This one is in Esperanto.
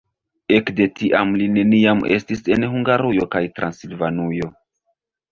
Ekde tiam li neniam estis en Hungarujo kaj Transilvanujo.